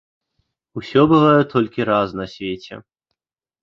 Усё бывае толькі раз на свеце.